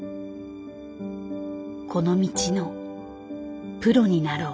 この道のプロになろう。